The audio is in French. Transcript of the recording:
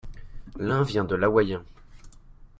L'un vient de l'hawaïen.